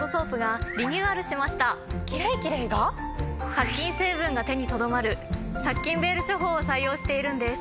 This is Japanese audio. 殺菌成分が手にとどまる殺菌ベール処方を採用しているんです。